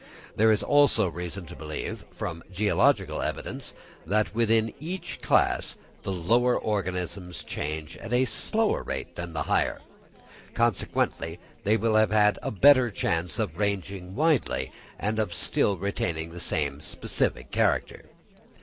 There is also reason to believe, from geological evidence, that within each great class the lower organisms change at a slower rate than the higher; consequently they will have had a better chance of ranging widely and of still retaining the same specific character.